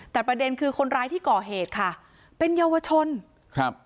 แต่ประเด็นคือคนร้ายที่ก่อเหตุค่ะเป็นเยาวชนครับ